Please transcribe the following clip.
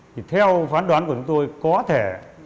thì theo phán đoán của chúng tôi có thể